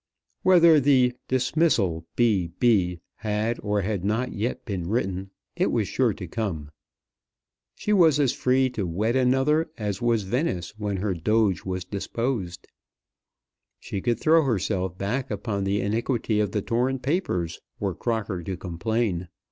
Whether the "Dismissal B. B." had or had not yet been written, it was sure to come. She was as free to "wed another" as was Venice when her Doge was deposed. She could throw herself back upon the iniquity of the torn papers were Crocker to complain.